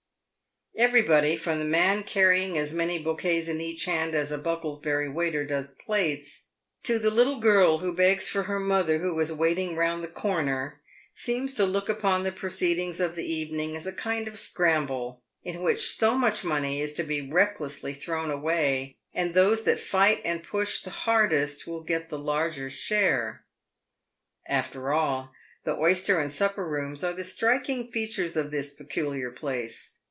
Everybody, from the man carrying as many bouquets in each hand as a Bucklesbury waiter does plates, to the little girl who begs for her mother who is waiting round the corner, seems to look upon the proceedings of the evening as a kind of scramble, in which so much money is to be recklessly thrown away, and those that fight and push the hardest will get the larger share. After all, the oyster and supper rooms are the striking features of this peculiar place.